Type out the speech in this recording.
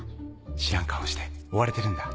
知らん顔をして追われてるんだ。